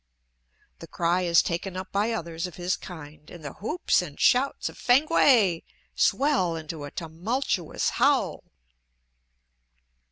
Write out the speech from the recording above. The cry is taken up by others of his kind, and the whoops and shouts of "Fankwae" swell into a tumultuous howl.